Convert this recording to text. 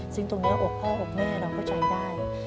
ซึ่งตรงนี้อกพ่ออกแม่เราก็ใช้ได้